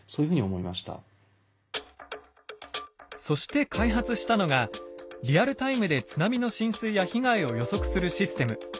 そして開発したのがリアルタイムで津波の浸水や被害を予測するシステム。